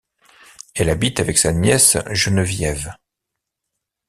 Elle habite avec sa nièce Geneviève.